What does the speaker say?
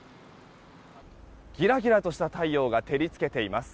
ギラギラとした太陽が照り付けています。